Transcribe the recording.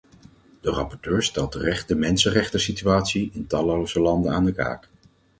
De rapporteur stelt terecht de mensenrechtensituatie in talloze landen aan de kaak.